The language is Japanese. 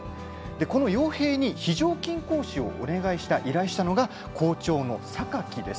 この陽平に非常勤講師を依頼したのが校長の榊です。